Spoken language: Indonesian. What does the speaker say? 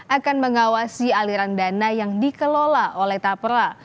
akan mengawasi aliran dana yang dikelola oleh tapra